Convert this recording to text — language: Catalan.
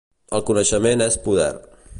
El coneixement és poder.